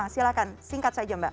silahkan singkat saja mbak